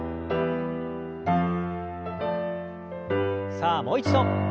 さあもう一度。